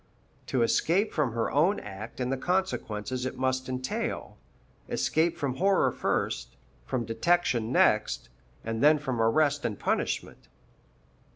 To escape from her own act and the consequences it must entail escape from horror first, from detection next, and then from arrest and punishment.